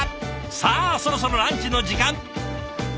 さあそろそろランチの時間。